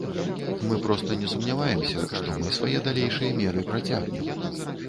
Мы проста не сумняваемся, што мы свае далейшыя меры працягнем.